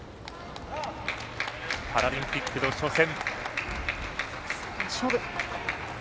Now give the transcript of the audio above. パラリンピックの初戦。